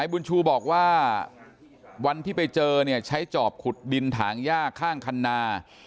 บุญชูบอกว่าวันที่ไปเจอเนี่ยใช้จอบขุดดินถางย่าข้างคันนา